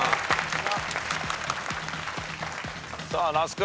さあ那須君。